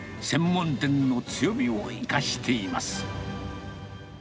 専門店の強みを生かしています。